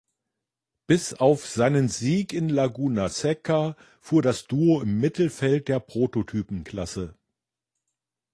Bis auf seinen Sieg in Laguna Seca fuhr das Duo im Mittelfeld der Prototypen-Klasse.